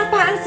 ini apaan sih